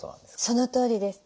そのとおりです。